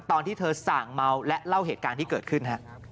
ตอนที่เธอสั่งเมาและเล่าเหตุการณ์ที่เกิดขึ้น